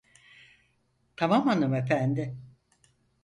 Tamam hanımefendi.